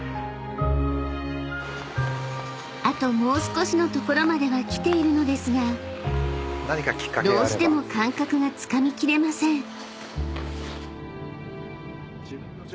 ［あともう少しのところまではきているのですがどうしても感覚がつかみ切れません］